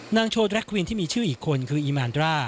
นางโชว์แดรคควินที่มีชื่ออีกคนคืออิมันดรา